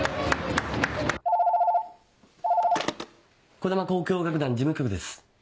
児玉交響楽団事務局です。